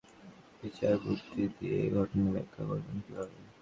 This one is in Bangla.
বিচারবুদ্ধি দিয়ে এ ঘটনার ব্যাখ্যা করবেন কীভাবে?